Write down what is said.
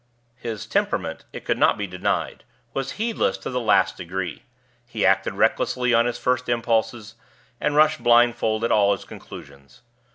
His temperament, it could not be denied, was heedless to the last degree: he acted recklessly on his first impulses, and rushed blindfold at all his conclusions.